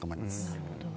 なるほど。